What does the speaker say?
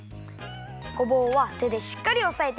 ごぼうはてでしっかりおさえてね。